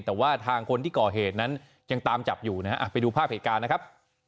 แต่ว่าทางคนที่ก่อเหตุนั้นยังตามจับอยู่นะฮะไปดูภาพเหตุการณ์นะครับ